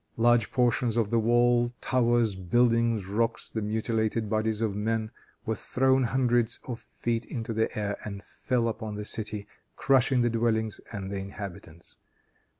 Large portions of the wall, towers, buildings, rocks, the mutilated bodies of men, were thrown hundreds of feet into the air and fell upon the city, crushing the dwellings and the inhabitants.